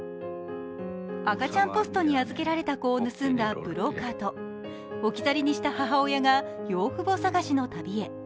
赤ちゃんポストに預けられた子を盗んだブローカーと置き去りにした母親が養父母捜しの旅へ。